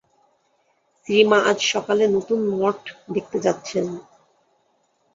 শ্রীমা আজ সকালে নূতন মঠ দেখতে যাচ্ছেন।